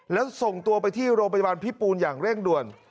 แล้วส่งตัวไปที่โรงพยาบาลพิปูนอย่างเร่งด่วน